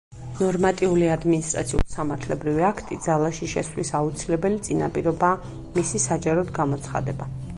ნორმატიული ადმინისტრაციულ-სამართლებრივი აქტი ძალაში შესვლის აუცილებელი წინაპირობაა მისი საჯაროდ გამოცხადება.